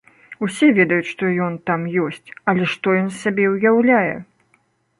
Усе ведаюць, што ён там ёсць, але што ён з сябе ўяўляе?